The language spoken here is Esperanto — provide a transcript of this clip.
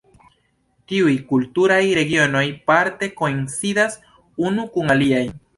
Tiuj kulturaj regionoj parte koincidas unu kun aliaj.